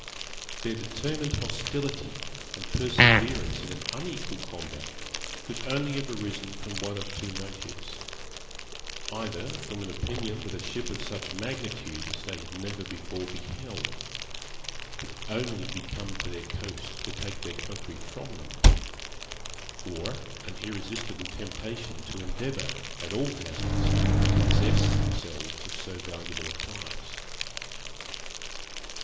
Their determined hostility and perseverance in an unequal combat could only have arisen from one of two motives either from an opinion that a ship of such magnitude, as they had never before beheld, could only be come to their coast to take their country from them; or an irresistible temptation to endeavour, at all hazards, to possess themselves of so valuable a prize.